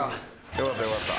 よかったよかった。